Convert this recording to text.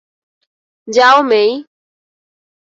যাও, মেই।